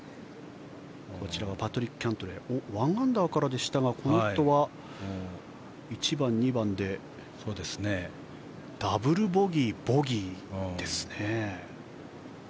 こちらはパトリック・キャントレー１アンダーからでしたがこの人は１番、２番でダブルボギー、ボギーですね。